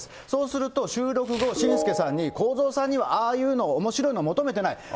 そうすると、収録後、紳助さんに公造さんにはああいうの、おもしろいの求めてない。